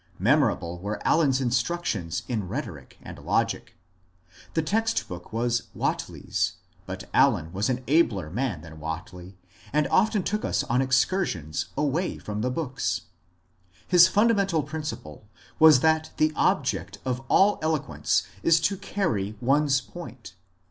Memorable were Allen's instructions in rhetoric and logic The text book was Whately's, but Allen was an abler man than Whately and often took us on excursions away from the books. His funda mental principle was that the object of all eloquence is to carry one's point.